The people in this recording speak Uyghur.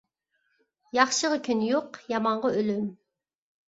ياخشىغا كۈن يوق، يامانغا ئۆلۈم.